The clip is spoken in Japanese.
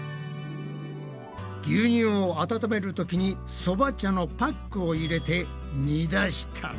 牛乳を温めるときにそば茶のパックを入れて煮出したな。